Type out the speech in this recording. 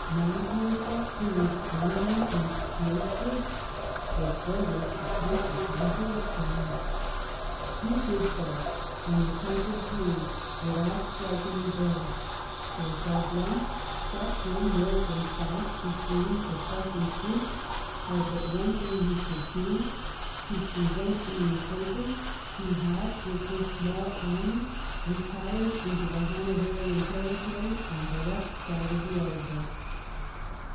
Manteuffel, who was ruUng in Slesvig, was ordered to occupy Holstein ; he did so on the loth of June, without striking a blow ; for Gablenz, shut in north and south between the Prussian troops, had but one thing he could do : to prevent being taken, he had, with his small army, retired into Hanoverian terri tory on the left bank of the Elbe.